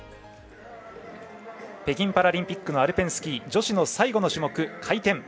北京パラリンピックのアルペンスキー女子の最後の種目、回転。